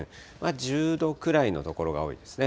１０度くらいの所が多いですね。